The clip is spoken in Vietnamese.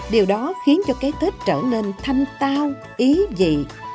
điều đó khiến cho cái tết trở nên thanh tao ý dị